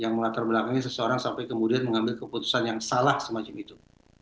yang melatar belakangnya seseorang sampai kemudian mengambil keputusan yang salah semacam itu